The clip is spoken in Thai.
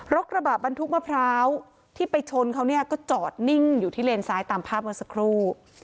กระบะบรรทุกมะพร้าวที่ไปชนเขาเนี่ยก็จอดนิ่งอยู่ที่เลนซ้ายตามภาพเมื่อสักครู่